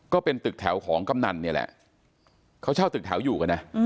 ก็เป็นตึกแถวของกำนันเนี่ยแหละเขาเช่าตึกแถวอยู่กันนะ